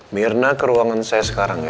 mirna ke ruangan saya sekarang ya